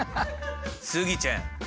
スギちゃん！